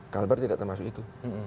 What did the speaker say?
kalbar tidak termasuk itu